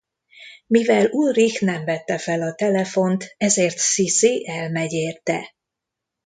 Mivel Ulrich nem vette fel a telefont ezért Sissi elmegy érte.